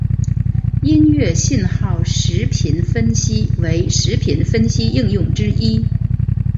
音乐信号时频分析为时频分析应用之一。